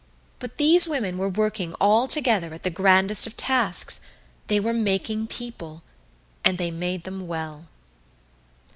But these women were working all together at the grandest of tasks they were Making People and they made them well.